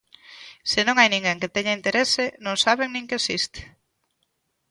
Se non hai ninguén que teña interese, non saben nin que existe.